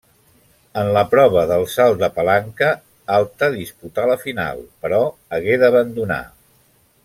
En la prova del salt de palanca alta disputà la final, però hagué d'abandonar.